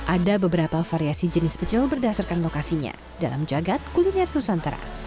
ada beberapa variasi jenis pecel berdasarkan lokasinya dalam jagad kuliner nusantara